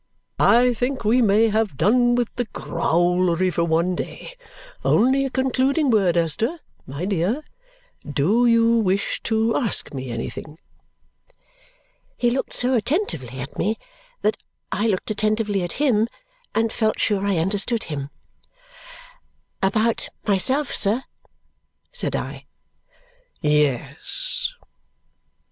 "I think we may have done with the growlery for one day! Only a concluding word. Esther, my dear, do you wish to ask me anything?" He looked so attentively at me that I looked attentively at him and felt sure I understood him. "About myself, sir?" said I. "Yes."